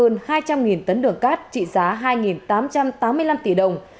hơn hai trăm linh tấn đường cát trị giá hai tám trăm tám mươi năm tỷ đồng